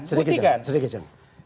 sedikit sedikit john sedikit john